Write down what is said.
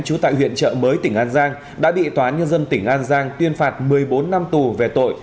chú tại huyện chợ mới tỉnh an giang đã bị tòa nhân dân tỉnh an giang tuyên phạt một mươi bốn năm tù về tội